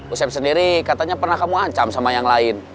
usep sendiri katanya pernah kamu ancam sama yang lain